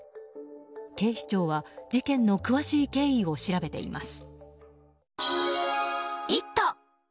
警視庁は事件の詳しい経緯を調べています。